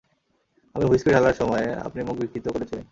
আমি হুইস্কি ঢালার সময়ে আপনি মুখ বিকৃত করেছিলেন।